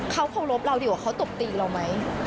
เขาเคารพเราดีกว่าเขาตบตีเราไหม